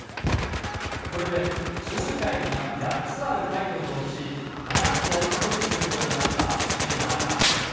これで将棋界に８つあるタイトルのうち、７つを保持することになった藤井七冠。